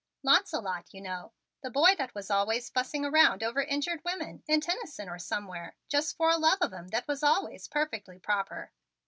"Launcelot, you know, the boy that was always fussing around over injured women, in Tennyson or somewhere, just for a love of 'em that was always perfectly proper.